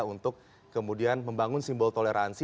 untuk kemudian membangun simbol toleransi